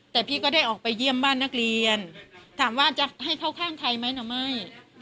แต่พี่ก็ได้ออกไปเยี่ยมบ้านนักเรียนถามว่าจะให้เข้าข้างใครไหมหรือไม่